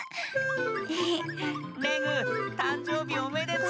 レグたんじょうびおめでとう。